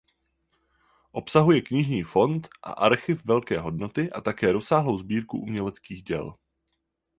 Obsahuje knižní fond a archiv velké hodnoty a také rozsáhlou sbírku uměleckých děl.